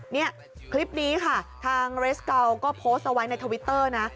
นี่คลิปนี้ค่ะทางเรสเกาก็โพสต์เอาไว้ในทวิตเตอร์นะ